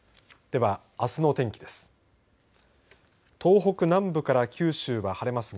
では、あすの天気です。